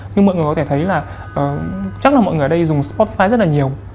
nhưng mọi người có thể thấy là chắc là mọi người ở đây dùng scottpi rất là nhiều